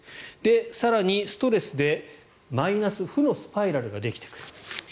更にストレスでマイナス負のスパイラルができてくる。